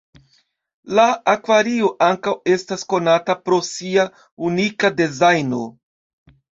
La akvario ankaŭ estas konata pro sia unika dezajno.